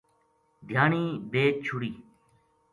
دھیانی بیچ چھُڑی